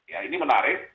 ya ini menarik